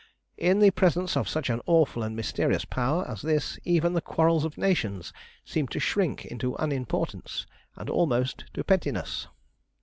"In the presence of such an awful and mysterious power as this even the quarrels of nations seem to shrink into unimportance, and almost to pettiness.